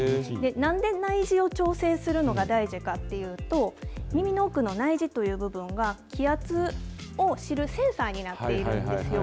なんで内耳を調整するのが大事かっていうと、耳の奥の内耳という部分が、気圧を知るセンサーになっているんですよ。